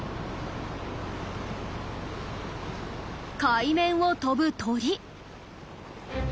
海面を飛ぶ鳥。